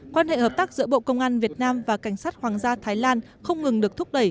quan hệ hợp tác giữa bộ công an việt nam và cảnh sát hoàng gia thái lan không ngừng được thúc đẩy